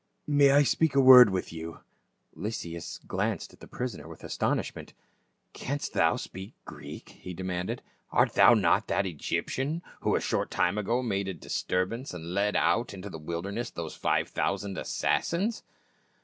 " May I speak a word with you ?" Lysias glanced at his prisoner with astonishment. " Canst thou speak Greek ?" he demanded ;" art thou not that Egyptian, who a short time ago made a dis turbance, and led out into the wilderness those five thousand assassins?"